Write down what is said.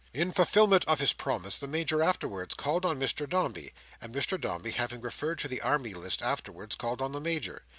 In fulfilment of his promise, the Major afterwards called on Mr Dombey; and Mr Dombey, having referred to the army list, afterwards called on the Major.